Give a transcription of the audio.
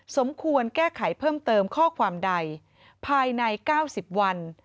สมควรแก้ไขเพิ่มเติมข้อความใดภายใน๙๐วัน